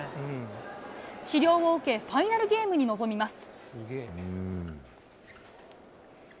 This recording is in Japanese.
治療を受け、ファイナルゲームに臨みます。